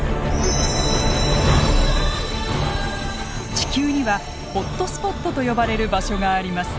地球にはホットスポットと呼ばれる場所があります。